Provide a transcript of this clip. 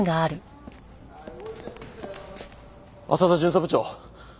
朝田巡査部長！